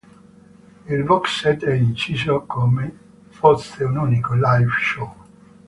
Il box set è inciso come fosse un unico live show.